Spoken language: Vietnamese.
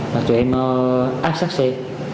và tụi em áp sát xe